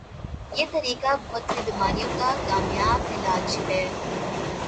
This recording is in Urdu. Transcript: یہ طریقہ بہت سی بیماریوں کا کامیابعلاج ہے